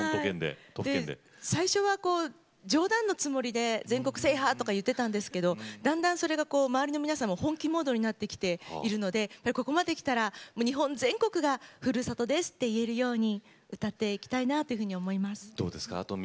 最初は冗談のつもりで全国制覇と言っていたんですがだんだん周りの皆さんが本気モードになってきているのでここまできたら、日本全国がふるさとですと言えるように、歌っていきたいなと思います。